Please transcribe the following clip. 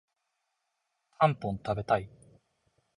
たんぽん食べたい